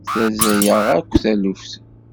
Terza-yaɣ akk taluft.